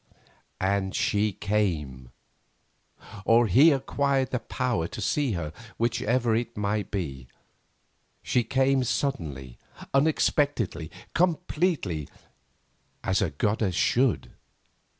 And she came—or he acquired the power to see her, whichever it might be. She came suddenly, unexpectedly, completely, as a goddess should.